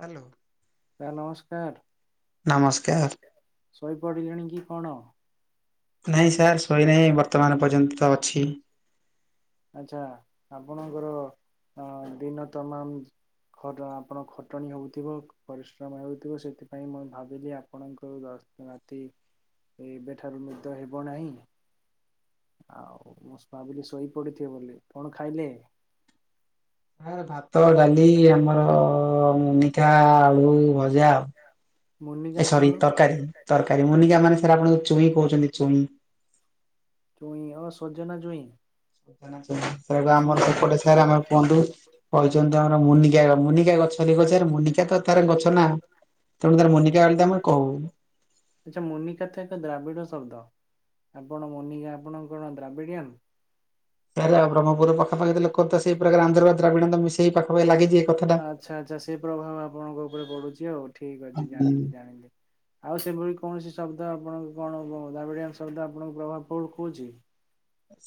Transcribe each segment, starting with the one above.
Hello. Sir ନମସ୍କାର ଶୋଇପଡିଲେଣି କି କଣ। ନାଇଁ ସାର୍ ଶୋଇନାହିଁ ବର୍ତ୍ତମାନ ପର୍ଯ୍ୟନ୍ତ ତ ଅଛି। ଆଛା ଆପଣଙ୍କର ଅଁ ଦିନ ତମାମ। ଖଟ ଆପଣ ଖଟଣି ହଉଥିବ ପରିଶ୍ରମ ହେଉଥିବ ସେଥିପାଇଁ ମୁଁ ଭାବିଲି ଆପଣଙ୍କୁ ଦର ରାତି ଏବେଠାରୁ ନିଦ ହେବ ନାହିଁ। ଆଉ ମଁ ଭାବିଲି ଶୋଇ ପଡିଥିବେ ବୋଲି କଣ ଖାଇଲେ। ଏ ଭାତ ଡାଲି ଆମର ମିଠା ଆଳୁ ଭଜା ଆଉ। ମୁଁ। ଏ ସରି ତରକାରୀ ତରକାରୀ ମୁନିକା ମାନେ ସେରା ଆପଣଙ୍କୁ ଚୁଇଁ କହୁଛନ୍ତି ଚୁଇଁ। ଚୁଇଁ ଓ ସଜନା ଛୁଇଁ। ସଜନା ଛୁଇଁ ସେରା କୁ ଆମର ସେପଟେ ସାର ଆମେ କୁହନ୍ତି। କହିଛନ୍ତି ଆମର ମୁନିକା ମୁନିକା ଗଛ ଦେବ ସାର୍ ମୁନିକା ତ ତାର ଗଛ ନା। ତେଣୁ ତାର ମୁନିକା ବୋଲି ତ ଆମେ କହୁ। ମୁନିକା ତ ଏକ ଦ୍ରାବିଡ ଶବ୍ଦ। ଆପଣ ମୁନିକା ଆପଣଙ୍କ କଣ ଦ୍ରାବିଡିଆନ। ତାହାଲେ ଆଉ ବ୍ରହ୍ମପୁର ପାଖପାଖି ତ ଲୋକ ତ ସିଏ ପ୍ରକାର ଆନ୍ଧ୍ର ଆଉ ଦ୍ରାବିଣ ତ ମିଶେଇ କି ପାଖପଖି ଲାଗିଚି ଏ କଥାଟା। ସେ ପ୍ରଭାବ ଆପଣଙ୍କ ଉପରେ ପଡୁଛି, ଆଉ ଠିକ ଅଛି ଜାଣିଲି ଜାଣିଲି। ଆଉ ସେଭଳି କୌଣସି ଶବ୍ଦ ଆପଣଙ୍କୁ। କଣ କୋଉ ଦ୍ରବିଡିଆନ ଶବ୍ଦ ଆପଣଙ୍କ ପ୍ରଭାବ ପ କୋଉଛି।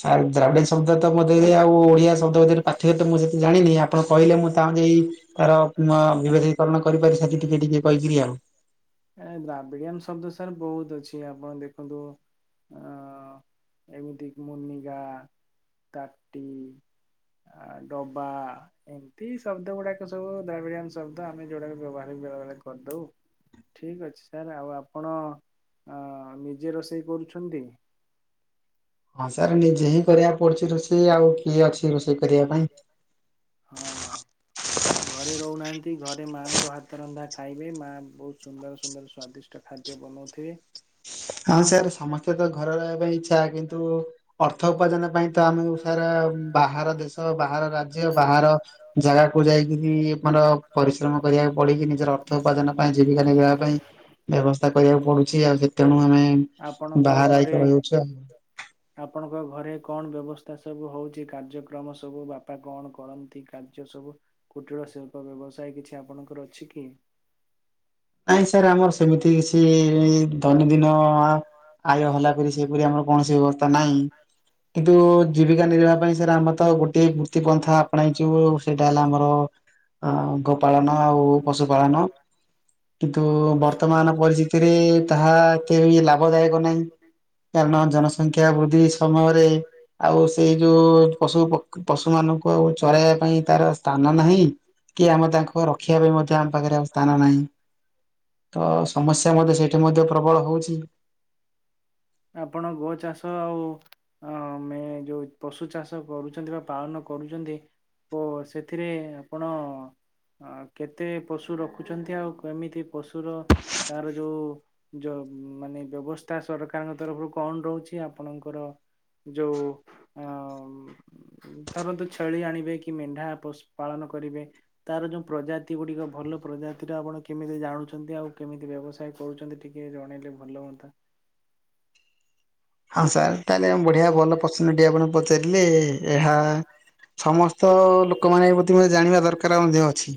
ସାର୍ ଦ୍ରାବିଡି ଶବ୍ଦ ତା ମଧ୍ୟରେ ଆଉ ଓଡିଆ ଶବ୍ଦ ଭିତରେ ପାର୍ଥକ୍ୟ ତ ମୁଁ ସେତେ ଜାଣିନି ଆପଣ କହିଲେ ମୁଁ ଚାହୁଁ ଏଇ ତାର ଅ ବିବେଧିକରଣ କରିପାରି ସେଠି ଟିକେ ଟିକେ କହିକିରି ଆଉ। ଏ ଦ୍ରାବିଡି ଆନ ଶବ୍ଦ ସାର୍ ବହୁତ। ତ ଛୁଇଁ ଆପଣ ଦେଖନ୍ତୁ ଆଁ ଏମିତି ମୁନି। ଗା କାଟି। ଆ ଡବା ଏମିତି ଶବ୍ଦ ଗୁଡାକ ସବୁ ଦ୍ରବିଡ଼ିଆନ ଶବ୍ଦ! ଆମେ ଯୋଉଡାକ ବ୍ୟବହାର ବି ବେଳେ ବେଳେ କରିଦଉ। ଠିକ ଅଛି ସାର୍ ଆଉ ଆପଣ ଆଁ ନିଜେ ରୋଷେଇ କରୁଛନ୍ତି। [inaudible] ହଁ ସାର୍ ନିଜେ ହିଁ କରିବାକୁ ପଡୁଛି ରୋଷେଇ ଆଉ, କିଏ ଅଛି ରୋଷେଇ କରିବା ପାଇଁ। ହଁ ଘରେ ରହୁନାହାଁ ନ୍ତି, ଘରେ ମାଆଙ୍କ ହାତ ରନ୍ଧା ଖାଇବେ ମା ବହୁତ ସୁନ୍ଦର ସୁନ୍ଦର ସ୍ଵାଦିଷ୍ଟ ଖାଦ୍ୟ ବନଉଥିବେ। ହଁ ସାର୍ ସମସ୍ତେ ତ ଘରେ ରହିବା ପାଇଁ ଇଚ୍ଛା‌ କିନ୍ତୁ ଅର୍ ଅର୍ଥ ଉପାର୍ଜନା ପାଇଁ ତ, ଆମକୁ ସାରା ବାହାର ଦେଶ ବାହାର ରାଜ୍ୟ ବାହାର ଜାଗାକୁ ଯାଇ କିରି ଇଏ ଆମର ପରିଶ୍ରମ କରିବାକୁ ପଡେ କି ନିଜର ଅର୍ଥ ଉପାର୍ଜନ ପାଇଁ ଜୀବିକା ନିର୍ବାହ ପାଇଁ। ବ୍ୟବସ୍ଥା କରିବାକୁ ପଡୁଛି। ଆଉ ସେ ତେଣୁ ଆମେ ବାହାରେ ଆଇକା ରଉଛୁ ଆଉ। ଆପଣଙ୍କ ଘରେ କଣ ବ୍ୟବସ୍ଥା ସବୁ ହଉଛି। କାର୍ଯ୍ୟକ୍ରମ ସବୁ ବାପା କଣ କରନ୍ତି କାର୍ଯ୍ୟ ସବୁ। କୁଟୀଳ ଶିଳ୍ପ ବ୍ୟବସାୟ କିଛି ଆପଣଙ୍କର ଅଛି କି। ନାଇଁ ସାର୍ ଆମର ସେମିତି କିଛି‌ ଦୈନନ୍ଦିନ ଆ ଆୟ ହେଲାପରି ସେପରି ଆମ ଆମର କୌଣସି ବ୍ୟବସ୍ଥା ନାହିଁ। କିନ୍ତୁ ଜୀବିକା ନିର୍ବାହ ପାଇଁ ସାର୍ ଆମେ ତ ଆଉ ଗୋଟିଏ ବୃତ୍ତି ପନ୍ଥା ଆପଣେଇଛୁ ସେଇଟା ହେଲା ଆମର। ଆଁ ଗୋପାଳନ ଆଉ ପଶୁ ପାଳନ। କିନ୍ତୁ, ବର୍ତ୍ତମାନ ପରିସ୍ଥିତିରେ ତାହା ଏତେ ବି ଲାଭ ଦାୟକ ନାହିଁ। କାରଣ ଜନସଂଖ୍ୟା ବୃଦ୍ଧି ସମୟରେ। ଆଉ ସେଇ ଯୋଉ ପଶୁ ପଖ ପଶୁମାନଙ୍କୁ ଆଉ ଚରାଇବା ପାଇଁ ତାର ସ୍ଥାନ ନାହିଁ। କି ଆମେ ତାଙ୍କୁ ରଖିବା ପାଇଁ ମଧ୍ୟ ଆମ ପାଖରେ ଆଉ ସ୍ଥାନ ନାହିଁ। ତ ସମସ୍ୟା ମଧ୍ୟ ସେଇଠି ମଧ୍ୟ ପ୍ରବଳ ହଉଛି। ଆପଣ ଗୋ ଚାଷ ଆଉ ଅ ଏ ଯୋଉ ପଶୁ ଚାଷ କରୁଚନ୍ତି ବା ପାଳନ କରୁଚନ୍ତି। ଓ ସେଥିରେ ଆପଣ ଅ କେତେ ପଶୁ ରଖୁଛନ୍ତି। ଆଉ କେମିତି ପଶୁର ତାର ଯୋଉ ଯ ଉ ମାନେ ବ୍ୟବସ୍ଥା ସରକାରଙ୍କ ତରଫରୁ କଣ ରହୁଛି। ଆପଣଙ୍କର ଯୋଉ ଅ ଧରନ୍ତୁ, ଛେଳି ଆଣିବେ କି ମେଣ୍ଢା ପଶୁ ପାଳନ କରିବେ ତାର ଯୋଉ ପ୍ରଜାତି ଗୁଡିକ ଭଲ ପ୍ରଜାତିର ଆପଣ କେମିତି ଜାଣୁଛନ୍ତି। ଆଉ କେମିତି ବ୍ୟବସାୟ କରୁଚନ୍ତି ଟିକେ ଜଣେଇଲେ ଭଲ ହୁଅନ୍ତା। ହଁ ସାର୍ ତାହେଲେ ବଢିଆ ଭଲ ପ୍ରଶ୍ନଟି ଆପଣ ପଚାରିଲେ। ଏହା ସମସ୍ତ ଲୋକମାନେ ପ୍ରତି ଜାଣିବା ଦରକାର ମଧ୍ୟ ଅଛି।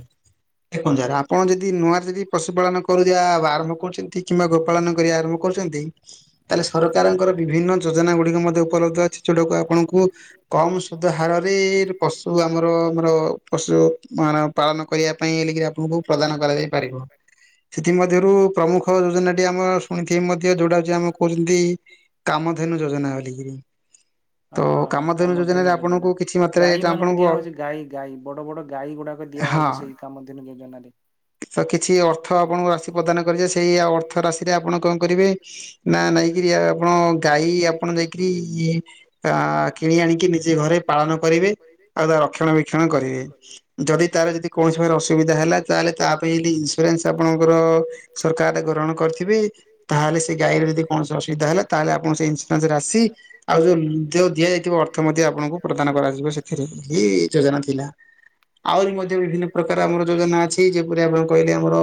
ଦେଖନ୍ତୃ ସାର୍ ଆପଣ ଯଦି ନୂଆ ଯଦି ପଶୁପାଳନ କରୁବା ଆରମ୍ଭ କରୁଛନ୍ତି। କିମ୍ବା ଗୋପାଳନ କରିବା ଆରମ୍ଭ କରୁଛ ଛନ୍ତି, ତାଲେ ସରକାରଙ୍କର ବିଭିନ ନ୍ ଯୋଜନା ଗୁଡିକ ମଧ୍ୟ ଉପଲବ୍ଧ ଅଛି। ଯୋଉଟାକୁ ଆପଣଙ୍କୁ କମ୍ ସୁଧ ହାରରେ ପଶୁ ଆମର ଆମର ପଶୁ ମାନ ପାଳନ କରିବା ପାଇଁ ହେଲକି ଆପଣଙ୍କୁ ପ୍ରଦାନ କରାଯାଇ ପାରିବ ସେଥିମଧ୍ୟରୁ ପ୍ରମୁଖ ଯୋଜନା ଟି ଆମର ଶୁଣିଥିବି ମଧ୍ୟ ଯୋଉଟା ହଉଚି ଆମ କହୁଛନ୍ତି କାମଧେନୁ ଯୋଜନାବୋଲିକିରି। ହଁ ହଁ ହଁ କାମଧେନୁ ଯୋଜନା ଗାଈ ମାନଙ୍କୁ ଦିଆ ହଉଚି ଗାଈ ଗାଈ ବଡ ବଡ ଗାଈ ଗୁଡା ଦିଆ ହଉଚି ସେଇ କାମ ଧେନୁ ଯୋଜନାରେ। ତ କିଛି ଅର୍ଥ ଆପଣଙ୍କୁ ରାଶି ପ୍ରଦାନ କରାଜୀବ ସେଇ ଅର୍ଥ ରାଶିରେ ଆପଣ କଣ କରିବେ ନା ନାଇକିରି ଆପଣ [unintelligible] ଗାଈ ଆପଣ ଯାଇକରି ଆ କିଣି ଆଣିକି ନିଜେ ଘରେ ପାଳନ କରିବେ ଆଉ ତା ରକ୍ଷଣ ବେକ୍ଷଣ କରିବେ ଯଦି ତାର ଯଦି କୌଣସି ପ୍ରକାର୍ ଅସୁବିଧା ହେଲା ତାହେଲେ ତା ପାଇଁ [unintelligible] ଇନ୍ସୁରାନ୍ସ ଆପଣଙ୍କର ସରକାରର ଗ୍ରହଣ କରିଥିବେ ତାହେଲେ ସେ ଗାଇ ଯଦ କୌଣସି ଅସୁବିଧା ହେଲା ତାହେଲେ ଆପ୍ କୌଣସି ଇନ୍ସୁରାନ୍ସ ରାସି ଆଉ ଯୋଉ ଯୋଉ ଦିଆଯାଇଥିବ ଅର୍ଥ ମଧ୍ୟ ଆପଣଙ୍କୁ ପ୍ରଦାନ କରାଯିବ ସେଥିରେ କି ଏ ଯୋଜନା ଥିଲା ଆହୁରି ମଧ୍ୟ ବିଭିନ୍ନ ପ୍ରକାର ଆମର ଯୋଜନା ଅଛି। [unintelligible] ଆପଣ କହିଲେ ଆମର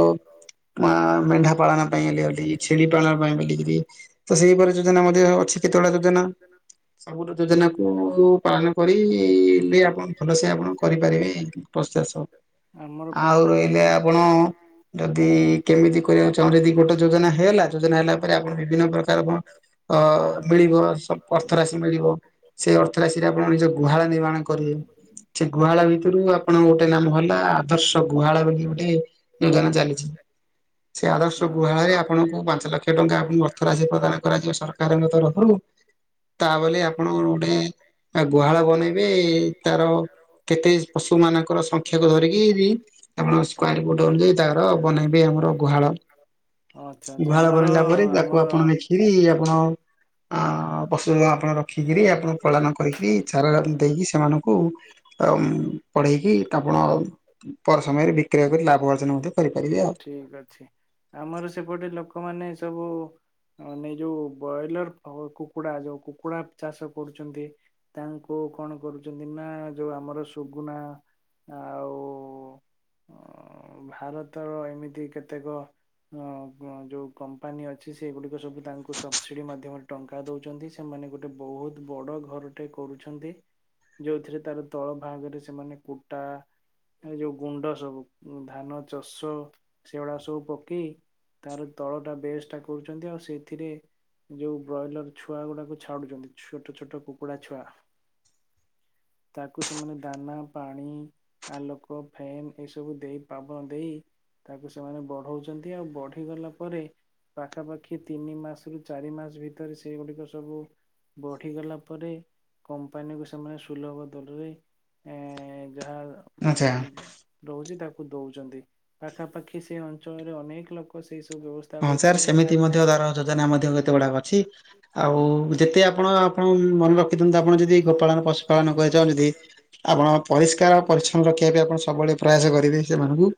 ମା ମେଣ୍ଢା ପାଳନ ପାଇଁ ହେଲେ [unintelligible] ଛେଳି ପାଳନ ପାଇଁ ବଲିକିରି ତ ସେଇପରି ଯୋଯନା ମଧ୍ୟ ଏମିତି ଆଉ ଅଛି କେତେଭଳିଆ ଯୋଜନା ସବୁୁଠୁ ଯୋଜନାକୁ ପାଳନ କରିଲେ ଆପଣ ଭଲସେ ଆପଣ କରିପାରିବେ। ପସ୍ତେଶ [unintelligible] ଆମର ପାଖରେ [unintelligible] ଆପଣ ଯଦି କେମିତି କରିବାକୁ ଚାହୁଁଚନ୍ତି ଯଦି ଗୋଟେ ଯୋଜନା ହେଇଲା ଯୋଜନା ହେଲା ପରେ ଆପଣ ବିଭିନ୍ନ ପ୍ରକାର କଣ ଅ ମିଳିବ ଅର୍ଥ ରାଶି ମିଳିବ ସେଇ ଅର୍ଥ ରାଶିରେ ଆପଣ ନିଜ ଗୁହାଳ ନିର୍ମାଣ କରିବେ। ସେ ଗୁହାଳ ଭିତରୁ ଆପଣଙ୍କ ଗୋଟେ ନାମ ହେଲା ଆଦର୍ଶ ଗୁହାଳ ବୋଲି ଗୋଟେ ଯୋଜାନ ଚାଲିଛି। ସେ ଆଦର୍ଶ ଗୁହାଳରେ ଆପଣଙ୍କୁ ପାଞ୍ଚ ଲକ୍ଷ ଟଙ୍କା ଆପଣଙ୍କୁ ଅର୍ଥ ରାଶି ପ୍ରଦାନ କରାଯିବ ସରକା କାରଙ୍କ ତରଫରୁ ତା ବୋଲି ଆପଣ ଗୋଟେ ଆ ଗୁହାଳ ବନେଇବେ ତାର କେତେ ପଶୁ ମାନଙ୍କର ସଂଖ୍ୟାକୁ ଧରିକିରି ଆପଣଙ୍କ ସ୍କୋୟାର୍ ଫୁଟ ଅନୁଯାୟୀ ତାର ଅ ବନେଇବେି ଆମର ଗୁହାଳ ଗୁହାଳ ବନେଇିଲା ପରେ ତାକୁ ଆପଣ [unintelligible] ଆପଣ ଆ ପଶୁ ଆପଣ ରଖିକରି ଆପଣ ପଳନ କରିକିରି ଚାରା ଦେଇକି ସେମାନଙ୍କୁ ଆ ପଢେଇକି ଆପଣ ପର ସମୟରେ ବିକ୍ ଠିକ ଅଛି ଆମର ସେପଟେ ଲୋକମାନେ ସବୁ ଉଁ ନେଇ ଯୋଉ ବ୍ରଏଲର କୁକୁଡା ଯୋଉ କୁକୁଡା ଚାଷ କରୁଛନ୍ତି ତାଙ୍କୁ କଣ କରୁ [unintelligible] ଯୋଉ ଆମର ସୁଗୁନା ଆଉ ଅ ଭାରତର ଏମିତି କେତେକ [unintelligible] ଯୋଉ କମ୍ପାନୀ ଅଛି ସେଗୁଡିକ ସବୁ ତାଙ୍କୁ ସବସିଡି ମାଧ୍ୟମରେ ଟଙ୍କା ଦଉଛନ୍ତି ସେମାନେ ଗୋଟେ ବହୁତ ବଡ ଘରଟେ କରୁଛନ୍ତି ଯୋଉଥିରେ ତାର ତଳ ଭାଗରେ ସେମାନେ କୁଟା ଏ ଯୋଉ ଗୁଣ୍ଡ ସବୁ ଧାନ ଚଷୁ ସେଗୁଡା ସବୁ ପକେଇ ତାର ତଳ ଟା ବେସ୍ ଟା କରୁଛନ୍ତି ଆଉ ସେଥିରେ ଯୋଉ ବ୍ରଏଲର ଛୁଆ ଗୁଡାକୁ ଛାଡୁଛନ୍ତି ଛୋଟ ଛୋଟ କୁକୁଡା ଛୁଆ ହ ତାକୁ ସେମାନେ ଦାନା ପାଣି ଆଲୋକ ଫ୍ୟାନ୍ ଏସବୁ ଦେଇ [unintelligible] ପାବ ଦେଇ ତାକୁ ସେମାନେ ବଢଉଛନ୍ତି ଆଉ ବଢିଗଲା ପରେ ପାଖାପାଖି ତିନି ମାସ ରୁ ଚାରି ମାସ ଭିତରେ ସେଇଗୁଡିକ ସବୁ ବଢିଗଲା ପରେ କମ୍ପାନୀ କୁ ସେମାନେ ସୁଲଭ ଦରରେ ଏଁ ଯାହା ରହୁଛି ତାକୁ ଦଉଛନ୍ତି ପାଖାପାଖି ସେ ଅଞ୍ଚଳରେ ଅନେକ ଲୋକ ହଁ ସାର୍ ସେମିତି ମଧ୍ୟ ଦର ଯୋଜନା ମ କେତେ ଗୁଡାକ ଅଛି ଆଉ ଯେତେ ଆପଣ ଆପଣ ମନେ ରଖିଥାନ୍ତନ୍ତି ଆପଣ ଯଦି ଗୋପାଳନ ପଶୁପାଳନ କନ କହେ ଯଲଦି ଆପଣ ପରିଷ୍କାର ପରିଚ୍ଛନ୍ନ ରଖିବା ପାଇଁ ଆପଣ ସବୁବେଳେ ପ୍ରୟାସ କରିବେ ସେମାନଙ୍କୁ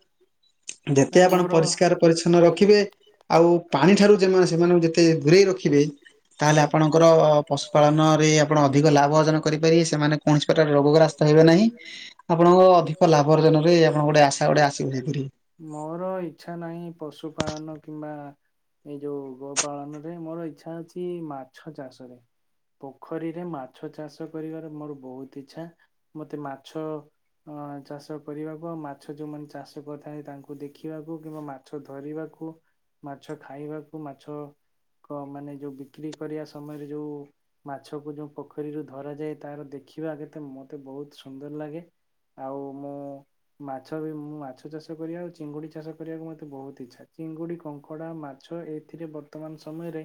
ଯେତେ ଆପଣ ପରିଷ୍କାର ପରିଚ୍ଛନ୍ନ ରଖିବେ ଆଉ ପାଣି ଠାରୁ ଯେମାନେ ସେମାନେ କେତେ ଦୂରେଇ ରଖିବେ? ତାହେଲେ ଆପଣଙ୍କର ପଶୁପାଳନ ରେ ଆପଣ ଅଧିକ ଲାଭ ଅର୍ଜନ କରିପାରିବେ ସେମାନେ କୌଣସି ପ୍ରକାର ରୋଗ ଗ୍ରସ୍ତ ରହିବେ ନାହିଁ ଆପଣଙ୍କ ଅଧିକ ଲାଭ ଅର୍ଜନରେ ଆପଣ ଗୋଟେ ଆଶା ଗୋଟେ ଆସିବେ ସେଥିରେ ମୋର ଇଛା ନାହିଁ ପଶୁ ପାାଳନ କିମ୍ବା ଏଇ ଯୋଉ ଗୋ ପାଳନ ରେ ମୋର ଇଚ୍ଛା ଅଛି ମାଛ ଚାଷ ରେ ପୋଖରୀରେ ମାଛ ଚାଷ କରିବାର ମୋର ବହୁତ ଇଚ୍ଛା ମତେ ମାଛ ଅ ଚାଷ କରିବାକୁ ଆ ମାଛ ଯୋଉମାନେ ଚାଷ କରିଥାନ୍ତି ତାଙ୍କୁ ଦେଖିବାକୁ କିମ୍ବା ମାଛ ଧରିବାକୁ ମାଛ ଖାଇବାକୁ ମାଛ କ ମାନେ ଯୋଉ ବିକ୍ରି କରିବା ସମୟରେ ଯୋଉ ମାଛକୁ ଯୋଉ ପୋଖରୀରୁୁ ଧର ଯାଏ ତାର ଦେଖିବା ଆଗେ ତ ମତେ ବହୁତ ସୁନ୍ଦର ଲାଗେ ଆଉ ମୁଁ ମାଛ ବି ମୁଁ ମାଛ ଚାଷ କରିବା ଆଉ ଚିଙ୍ଗୁଡି ଚାଷ କରିବାକୁ ମତେ ବହୁତ ଇଛା ଅଛି ଚିଙ୍ଗୁଡି କଙ୍କଡା ମାଛ ଏଥିରେ ବ ବର୍ତ୍ତମାନ ସମୟରେ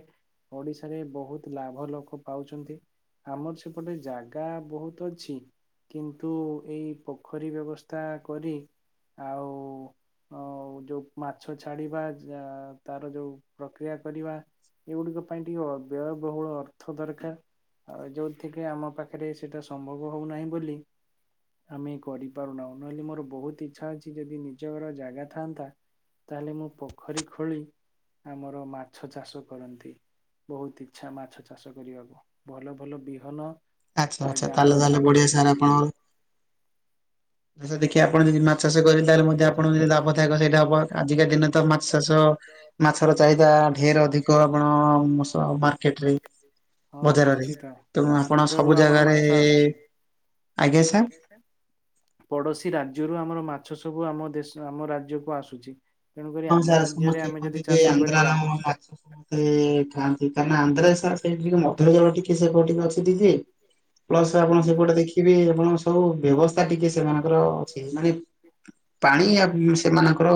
ଓଡିଶାରେ ବହୁତ ଲାଭ ଲୋକ ପାଉଛନ୍ତି ଆମର ସେପଟେ ଜାଗା ବହୁତ ଅଛି କିନ୍ତୁ ଏଇ ପୋଖରୀ ବ୍ୟବସ୍ଥା କରି ଆଉ ଆ ଯୋଉ ମାଛ ଛାଡିବା ତାର ଯୋଉ ପ୍ରକ୍ରିୟା କରିବା ଏଗୁଡିକ ପାଇଁ ଟିକେ ଅ ବ୍ୟୟବହୁଳ ଅର୍ଥ ଦରକାର ଆଉ ଯୋଉଥିରେ ଆମ ପାଖରେ ସେଟା ସମ୍ଭବ ହଉନାହିଁ ବୋଲି ଆମେ କରିପାରୁନାହୁ ନହେଲେ ମୋର ବହୁତ ଇଚ୍ଛା ଅଛି ଯଦି ନିଜର ଜାଗା ଥାଆନ୍ତା ତାହେଲେ ମୁଁ ପୋଖରୀ ଖୋଳି ଆମର ମା ମାଛ ଚାଷ କରନ୍ତି ବହୁତ ଇଛା ମାଛ ଚାଷ କରିବାକୁ ଭଲ ଭଲ ବିହନ ଆଛା ଆଛା ତାହେଲେ ତାହେଲେ ବଢିଆ ସାର୍ ଆପଣଙ୍କର ଦେଖି ଆପଣ ଯଦି ମାଛ ଚାଷ କରିବେ ତାହେଲେ ମଧ୍ୟ ଆପଣଙ୍କୁ ଯଦି ଲାଭଦାୟକ ସେଇଟା ହବ ଆଜିକା ଦିନ ତ ମାଛ ଚାଷ ମାଛର ଚାହିଦା ଢେର ଅଧିକ ଆପଣ [unintelligible] ମାର୍କେଟରେ ବଜାରରେ [unintelligible] ଆମ ସବୁ ଜାଗାରେ ଆଜ୍ଞା ସାର୍ କିଛି ରାଜ୍ୟରୁ ଆମର ମାଛ ସବୁ ଆମ ଦେଶ ଆମ ରାଜ୍ୟକୁୁ ଆସୁଛି ହଁ ସାର୍ ସମସ୍ତେ କୁହନ୍ତି ଯେ ଆନ୍ଧ୍ରାର ମାଛ ସମସ୍ତେ ଖାଆନ୍ତି। କାହିଁକ ଆନ୍ଧ୍ରାରେ ସାର ସେଇ ଟିକେ ମଧୁର ଜଳ ଟିକେ ସେ କ ଟିକେ ଅଛି ଟିକେ ପ୍ଲସ ଆପଣ ସେପଟେ ଦେଖିବେ ଆପଣ ସବୁ ବ୍ୟବସ୍ଥା ଟିକେ ସେମାନଙ୍କର ଅଛି ମାନେ ପାଣି ଆ ସେମାନଙ୍କର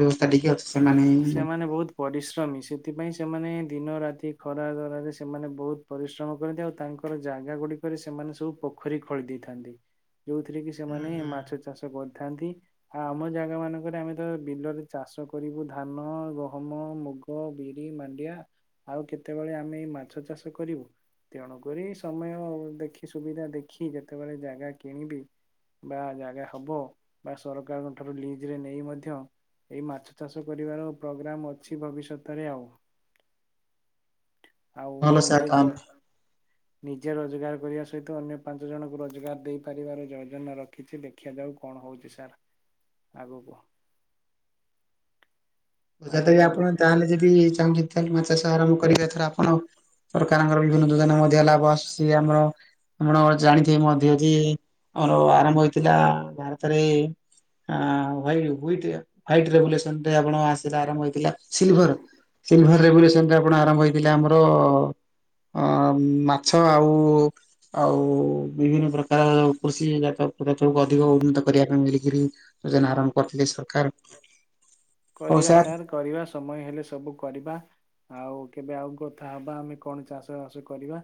ବ୍ୟବସ୍ଥା ଟିକେ ଅଛି ସେମାନେ ବହୁତ ପରିଶ୍ରମୀ ସେଥିପାଇଁ ସେମାନେ ଦିନ ରାତି ଖରା ତରାରେ ସେମାନେ ବହୁତ ପରିଶ୍ରମ କରନ୍ତି ଆଉ ତାଙ୍କର ଜାଗା ଗୁଡ଼ିକରେ ସେମାନେ ସବୁ ପୋ ପୋଖରୀ ଖୋଳି ଦେଇଥାନ୍ତି ଯୋଉଥିରେ କି ସେମାନେ ମାଛ ଚାଷ କରି ଥାନ୍ତି ଆଉ ଆମ ଜାଗା ମାନଙ୍କରେ ଆମେ ତ ବିଲରେ ଚାଷ କରିବୁ ଧାନ ଗହମ ମୁଗ ବିରି ମାଣ୍ଡିଆ ଆଉ କେତେବେଳେ ଆମେ ମାଛ ଚାଷ କରିବୁ? ତେଣୁକରି ସମୟ ଦେଖି ସୁବିଧା ଦେଖି ଯେତେବେଳେ ଜାଗା କିଣିବି ବା ଜାଗା ହବ ବା ସରକାରଙ୍କ ଠାରୁ ଲିଜ ରେ ନେଇ ମଧ୍ୟ ଏଇ ମାଛ ଚାଷ ଚାଷ କରିବାର ପ୍ରୋଗ୍ରାମ ଅଛି ଭବିଷ୍ୟତରେ ଆଉ। ଆଉ ମୁଁ ନିଜେ ଜ୍ର ନିଜର ରୋଜଗାର କରିବା ସହିତ ଅନ୍ୟ ପାଞ୍ଚ ଜଣଙ୍କୁ ରୋଜଗାର ଦେଇପାରିବାର ଯୋଜନା ରଖିଛି ଦେଖିବା ଯାଉ କଣ ହଉଛି ସାର୍। ଆଗକୁ। ଓ ଜାଦ୍ୱାରା ଆପଣ ତାହେଲେ ଯଦି ଚାହୁଁଛନ୍ତି ତାହେଲେ ମାଛ ଚାଷ ଆରମ୍ଭ କରିବେ ଏଥର ଆପଣ। ସରକାରଙ୍କର ବିଭିନ୍ନ ଯୋଜନା ମଧ୍ୟ ଲାଭ ଆସୁଚି ଆମର ଆପଣ ଜାଣି ସେ ମଧ୍ୟ ଯେ ଆମର ଆରମ୍ଭ ହେଇଥିଲା ଭାରତରେ। ଆଁ ହ୍ୱାଇଟ ହୁଇଟେ ହ୍ୱାଇଟ ରେଗୁଲେସନ ଟେ ଆପଣ। ସେଇଟା ଆରମ୍ଭ ହେଇଥିଲା ସିଲଭର ସିଲଭର ରେଭଲସନରେ ଆପଣ ଆରମ୍ଭ ହେଇଥିଲା ଆମର ଅ ଅ ମାଛ ଆଉ ଆଉ ବିଭିନ୍ନ ପ୍ର ହ କୃଷି ଜାତ ପଦାର୍ଥକୁ ଅଧିକ ଉନ୍ନତ କରିବା ପାଇଁ ମିଳିକିରି ଯୋଜନା ଆରମ୍ଭ କରିଥିଲେ ସରକାର। କରିବା ସାର୍ କରିବା ସମୟ ହେଲେ ସବୁ କରିବା ଆଉ କେବେ ଆଉ କଥା ହବା ଆମେ କଣ ଚାଷ ବାସ କରିବା।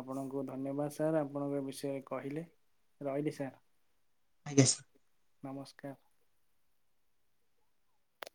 ଆପଣଙ୍କୁ ଧନ୍ୟବାଦ ସାର୍ ଆପଣଙ୍କ ବିଷୟରେ କହିଲେ ରହିଲି ସାର୍। ନମସ୍କାର।